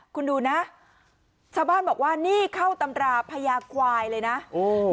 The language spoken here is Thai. คุณดูนะชาวบ้านบอกว่านี่เข้าตำราพญาควายเลยนะโอ้